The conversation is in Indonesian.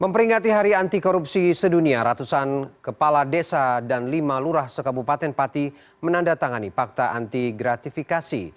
memperingati hari anti korupsi sedunia ratusan kepala desa dan lima lurah sekabupaten pati menandatangani fakta anti gratifikasi